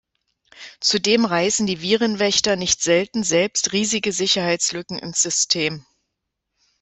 Zudem reißen die Virenwächter nicht selten selbst riesige Sicherheitslücken ins System.